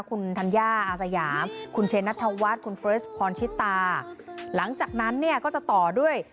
คุณธัญญาอาสยามคุณเชนัทธวัฒน์คุณเฟรสพชิตาหลังจากนั้นเนี่ยก็จะต่อด้วย